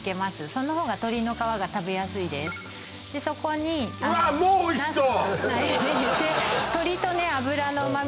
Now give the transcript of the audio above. そのほうが鶏の皮が食べやすいですでそこにうわもうおいしそう！